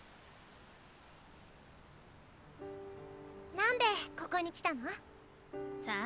なんでここに来たの？さあ？